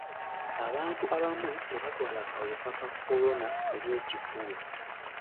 Abantu abamu tebatwala kawuka ka kolona ng'ekikulu.